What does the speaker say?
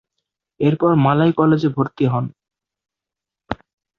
এরপর মালয় কলেজে ভর্তি হন।